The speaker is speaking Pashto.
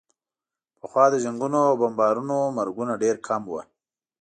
پخوا د جنګونو او بمبارونو مرګونه ډېر کم وو.